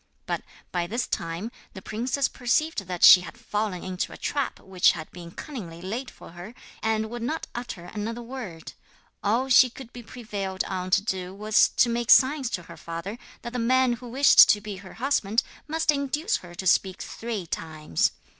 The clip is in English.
But by this time the princess perceived that she had fallen into a trap which had been cunningly laid for her, and would not utter another word. All she could be prevailed on to do was to make signs to her father that the man who wished to be her husband must induce her to speak three times.